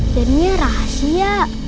jadi ini rahasia